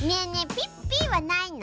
ピッピッはないの？